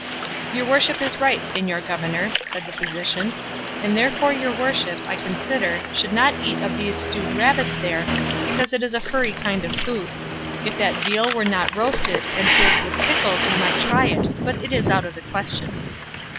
"Your worship is right, señor governor," said the physician; "and therefore your worship, I consider, should not eat of those stewed rabbits there, because it is a furry kind of food; if that veal were not roasted and served with pickles, you might try it; but it is out of the question."